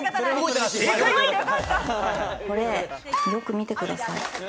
よく見てください。